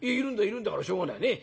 いるんだからしょうがないねえ。